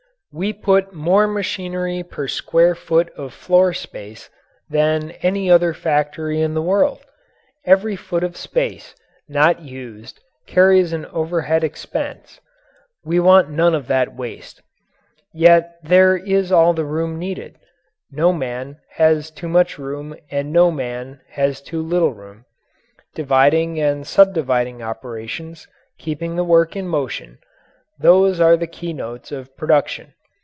We put more machinery per square foot of floor space than any other factory in the world every foot of space not used carries an overhead expense. We want none of that waste. Yet there is all the room needed no man has too much room and no man has too little room. Dividing and subdividing operations, keeping the work in motion those are the keynotes of production.